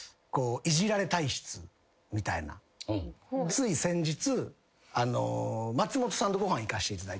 つい先日松本さんとご飯行かしていただいて。